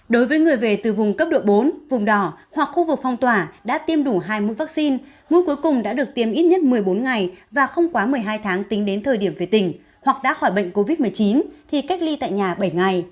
đối với người về từ vùng cấp độ bốn vùng đỏ hoặc khu vực phong tỏa đã tiêm đủ hai mũi vaccine mũi cuối cùng đã được tiêm ít nhất một mươi bốn ngày và không quá một mươi hai tháng tính đến thời điểm về tỉnh hoặc đã khỏi bệnh covid một mươi chín thì cách ly tại nhà bảy ngày